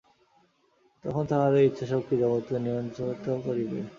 তখন তাহাদের ইচ্ছাশক্তি জগৎকে নিয়ন্ত্রিত করিবে।